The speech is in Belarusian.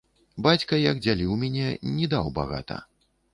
Бацька, як дзяліў міне, ні даў багата.